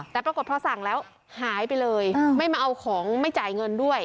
แต่ปรากฏพอสั่งแล้วหายไปเลยไม่มาเอาของไม่จ่ายเงินด้วย